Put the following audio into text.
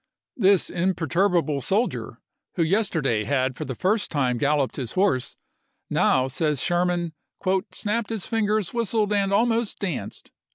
This imper turbable soldier, who yesterday had for the first time galloped his horse, now, says Sherman, " snapped his fingers, whistled, and almost danced."